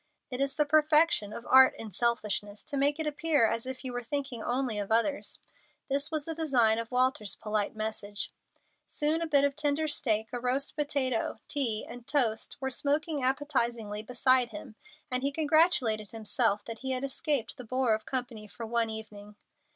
It is the perfection of art in selfishness to make it appear as if you were thinking only of others. This was the design of Walter's polite message. Soon a bit of tender steak, a roast potato, tea, and toast were smoking appetizingly beside him, and he congratulated himself that he had escaped the bore of company for one evening.